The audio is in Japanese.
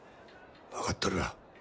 分かっとるわ。